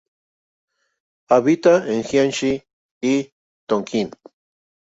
Habita en Jiangxi y Tonkin.